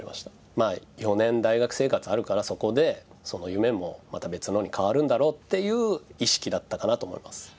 まあ４年大学生活あるからそこでその夢もまた別のに変わるんだろうっていう意識だったかなと思います。